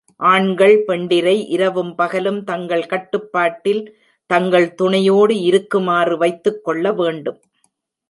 ஆண்கள் பெண்டிரை இரவும் பகலும் தங்கள் கட்டுப்பாட்டில் தங்கள் துணையோடு இருக்குமாறு வைத்துக் கொள்ள வேண்டும்.